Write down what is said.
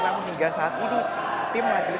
namun hingga saat ini tim majelis